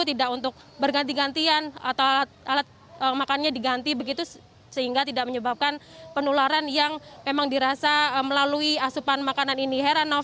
tidak untuk berganti gantian atau alat makannya diganti begitu sehingga tidak menyebabkan penularan yang memang dirasa melalui asupan makanan ini heranov